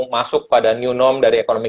masuk pada new normal dari ekonomi